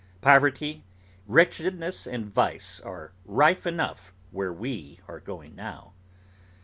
Poverty, wretchedness, and vice, are rife enough where we are going now.